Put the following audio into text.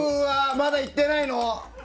まだいってないの？